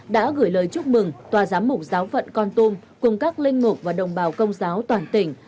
đã gửi lời chúc mừng tòa giám mục giáo phận con tum cùng các linh mục và đồng bào công giáo toàn tỉnh